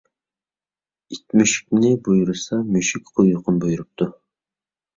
ئىت مۈشۈكنى بۇيرۇسا، مۈشۈك قويرۇقىنى بۇيرۇپتۇ.